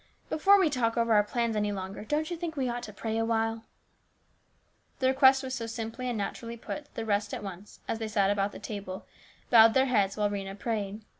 Before we talk over our plans any longer, don't you think we ought to pray awhile ?" The request was so simply and naturally put that the rest at once, as they sat about the table, bowed their heads while Rhena prayed.